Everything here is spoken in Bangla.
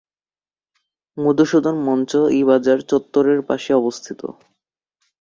মধুসূদন মঞ্চ এই বাজার চত্বরের পাশেই অবস্থিত।